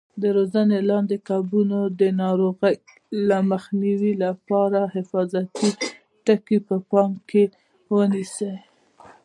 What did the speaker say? د روزنې لاندې کبانو د ناروغیو مخنیوي لپاره حفاظتي ټکي په پام کې ونیسئ.